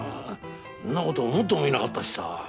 そんな事思ってもみなかったしさ。